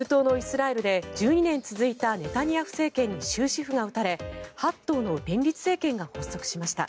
中東のイスラエルで１２年続いたネタニヤフ政権に終止符が打たれ８党の連立政権が発足しました。